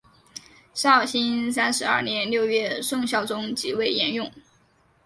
绍兴三十二年六月宋孝宗即位沿用。